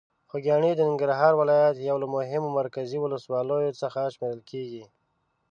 خوږیاڼي د ننګرهار ولایت یو له مهمو مرکزي ولسوالۍ څخه شمېرل کېږي.